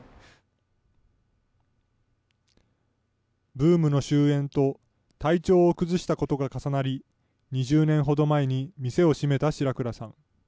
ブームの終えんと体調を崩したことなどが重なり、２０年ほど前に店を閉めた白倉さん。